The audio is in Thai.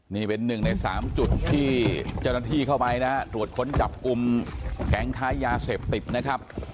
นี่เป็นหนึ่งใน๓จุดที่เจ้านับที่เข้าไปนะครับหลวดค้นจับกุมแก่งค้ายาเสบติดนะครับ